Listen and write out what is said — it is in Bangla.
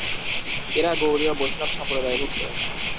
এরা গৌড়ীয় বৈষ্ণব সম্প্রদায়ভুক্ত।